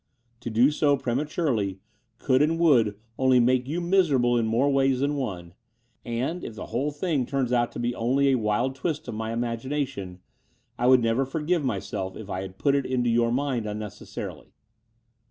To do so prematurely could and would only make you miserable in more ways than one; and, if the whole thing turns out to be only a wild twist of my imagination, I would never forgive myself if I had put it into your mind unnecessarily.